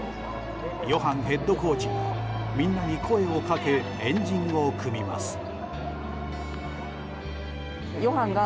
ヨハンヘッドコーチがみんなに声をかけ円陣を組みます。